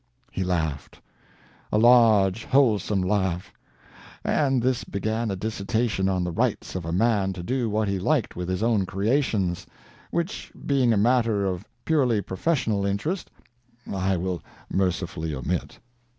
He laughed—a large, wholesome laugh—and this began a dissertation on the rights of a man to do what he liked with his own creations, which being a matter of purely professional interest, I will mercifully omit.